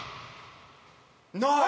ない！